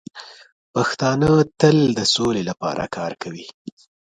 پښتانه تل د سولې لپاره کار کوي.